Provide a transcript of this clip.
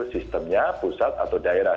sistemnya pusat atau daerah